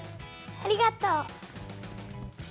ありがとう。